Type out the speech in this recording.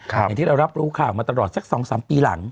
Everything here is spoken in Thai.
อย่างที่เรารับรู้ข่าวมาตลอดสัก๒๓ปีหลัง